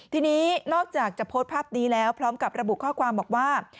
ทีนี้นอกจากจะโพสต์ภาพนี้แล้วพร้อมกับระบุข้อความบอกว่า